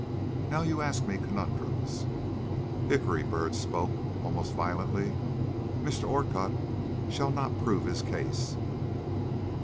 "Now you ask me conundrums." "Hickory!" Byrd spoke almost violently, "Mr. Orcutt shall not prove his case."